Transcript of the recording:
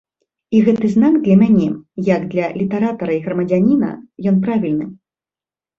І гэты знак для мяне, як для літаратара й грамадзяніна, ён правільны.